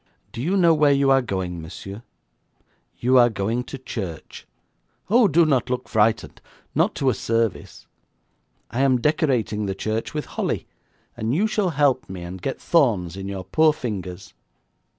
'Do you know where you are going, monsieur? You are going to church. Oh, do not look frightened, not to a service. I am decorating the church with holly, and you shall help me and get thorns in your poor fingers.'